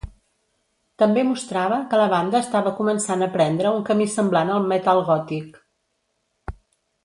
També mostrava que la banda estava començant a prendre un camí semblant al metal gòtic.